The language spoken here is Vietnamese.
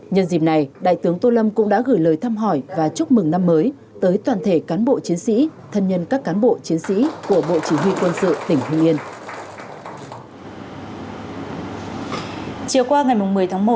nhân dịp này đại tướng tô lâm cũng đã gửi lời thăm hỏi và chúc mừng năm mới tới toàn thể cán bộ chiến sĩ thân nhân các cán bộ chiến sĩ của bộ chỉ huy quân sự tỉnh hưng yên